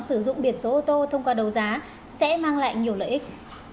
sử dụng biển số ô tô thông qua đấu giá sẽ mang lại nhiều lợi ích